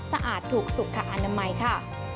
สะอาดถูกสุขอนามัยค่ะ